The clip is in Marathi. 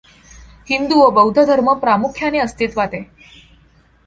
हिंदू व बौद्ध धर्म प्रामुख्याने अस्तित्वात आहे.